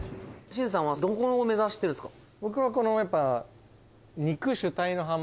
シンさんはどこを目指してるんですか？